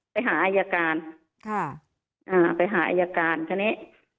ไปหาอายการค่ะอ่าไปหาอายการทีนี้